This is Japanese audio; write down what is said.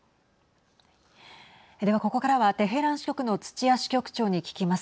では、ここからはテヘラン支局の土屋支局長に聞きます。